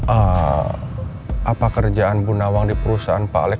ah apa kerjaan bu nawang di perusahaan pak alex